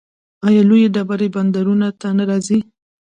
آیا لویې بیړۍ بندرونو ته نه راځي؟